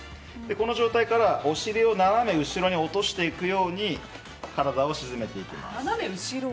この状態からお尻を斜め後ろに落としていくように体を沈めていきます。